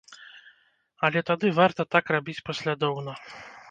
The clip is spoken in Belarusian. Але тады варта так рабіць паслядоўна.